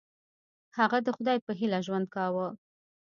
هغه د خدای په هیله ژوند کاوه.